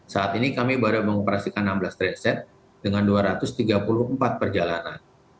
saat ini kami baru mengoperasikan enam belas trainset dengan dua ratus tiga puluh empat perjalanan